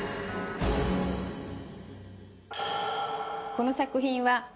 この作品は。